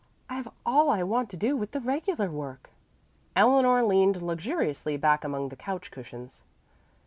I have all I want to do with the regular work." Eleanor leaned luxuriously back among the couch cushions.